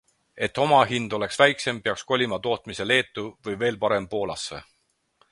Et omahind oleks väiksem, peaks kolima tootmise Leetu või, veel parem, Poolasse.